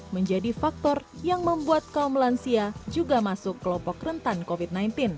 menjadi faktor yang membuat kaum lansia juga masuk kelompok rentan covid sembilan belas